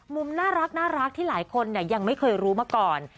มุมน่ารักที่หลายคนยังไม่เคยรู้มาก่อน